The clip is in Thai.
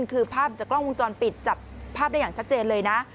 คือภาพจากกล้องวงจรปิดจับภาพได้อย่างชัดเจนเลยนะ